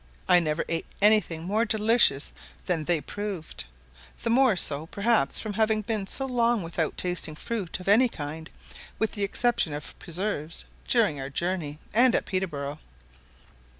I never ate any thing more delicious than they proved; the more so perhaps from having been so long without tasting fruit of any kind, with the exception of preserves, during our journey, and at Peterborough.